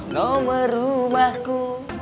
sepuluh nomer rumahku